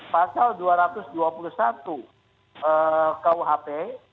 pasal dua ratus dua puluh satu kuhp